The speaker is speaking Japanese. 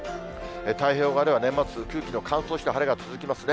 太平洋側では年末、空気の乾燥した晴れが続きますね。